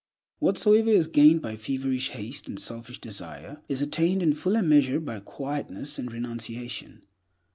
Whatsoever is gained by feverish haste and selfish desire is attained in fuller measure by quietness and renunciation.